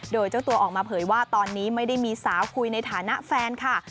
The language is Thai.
โดยเจ้าตัวออกมาเผยว่าตอนนี้ไม่ได้มีสาวคุยในฐานะแฟนค่ะ